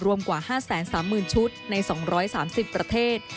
รวมกว่า๕๓๐๐๐ชุดใน๒๓๐ประเทศ